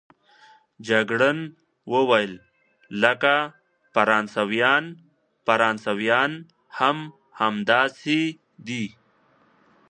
جګړن وویل: لکه فرانسویان، فرانسویان هم همداسې دي.